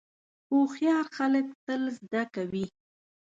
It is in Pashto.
هوښیار خلک تل زده کوي.